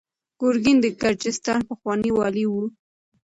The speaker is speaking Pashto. ګورګین د ګرجستان پخوانی والي و.